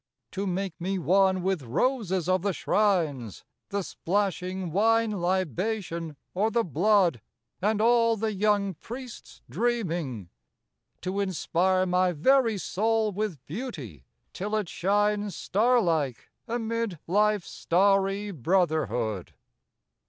To make me one with roses of the shrines, The splashing wine libation or the blood, And all the young priest's dreaming! To inspire My very soul with beauty till it shines Star like amid life's starry brotherhood!